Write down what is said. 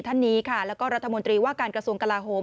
ท่านนี้ค่ะแล้วก็รัฐมนตรีว่าการกระทรวงกลาโหม